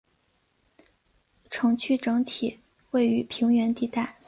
城区整体位于平原地带。